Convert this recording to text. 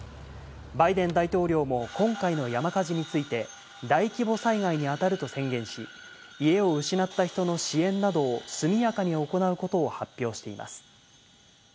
バイデン大統領も今回の山火事について、大規模災害に当たると宣言し、家を失った人の支援などを速やかに行うことを発表しています。